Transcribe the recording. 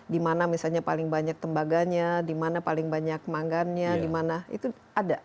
dimana misalnya paling banyak tembaganya dimana paling banyak manggannya dimana itu ada